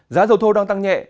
giá dầu thô đang tăng nhẹ